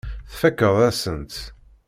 Tfakkeḍ-asen-tt.